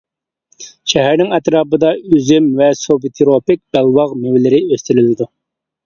شەھەرنىڭ ئەتراپىدا ئۈزۈم ۋە سۇبتروپىك بەلباغ مېۋىلىرى ئۆستۈرۈلىدۇ.